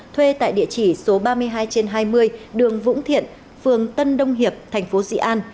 thuê tại địa chỉ số ba mươi hai trên hai mươi đường vũng thiện phường tân đông hiệp tp dĩ an